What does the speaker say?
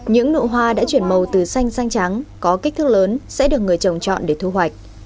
những nụ hoa đã chuyển màu từ xanh sang trắng có kích thước lớn sẽ được người trồng trọt để thu hoạch